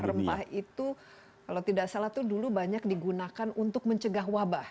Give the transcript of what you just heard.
rempah itu kalau tidak salah itu dulu banyak digunakan untuk mencegah wabah